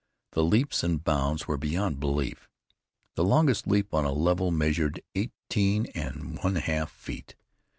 The leaps and bounds were beyond belief. The longest leap on a level measured eighteen and one half feet.